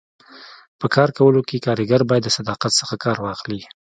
په کار کولو کي کاریګر باید د صداقت څخه کار واخلي.